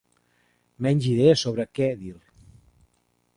Menys idea sobre què dir.